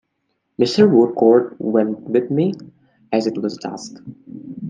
Mr. Woodcourt went with me, as it was dusk.